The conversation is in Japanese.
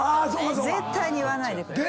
絶対言わないでください。